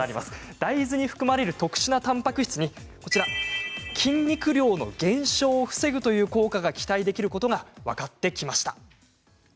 大豆に含まれる特殊なたんぱく質に筋肉量の減少を防ぐ効果が期待できるということが分かってきたんです。